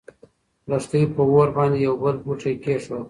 لښتې په اور باندې يو بل بوټی کېښود.